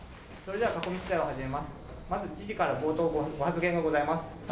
知事から冒頭ご発言がございます。